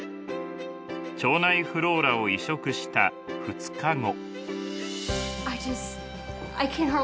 腸内フローラを移植した２日後。